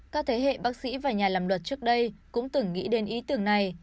các thế hệ bác sĩ và nhà làm luật trước đây cũng từng nghĩ đến ý tưởng này